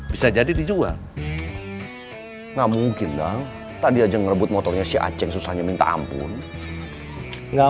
bisa jadi dijual nggak mungkin dong tadi aja ngerebut motornya si aceh susahnya minta ampun nggak